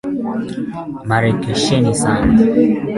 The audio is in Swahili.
Harakisheni Sana.